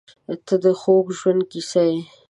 • ته د خوږ ژوند کیسه یې.